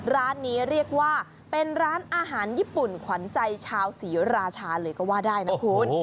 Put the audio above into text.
ร้านนี้เรียกว่าเป็นร้านอาหารญี่ปุ่นขวัญใจชาวศรีราชาเลยก็ว่าได้นะคุณ